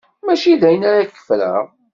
Mačči d ayen ara k-ffreɣ.